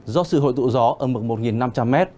do sự hội tụ gió ở mực một năm trăm linh m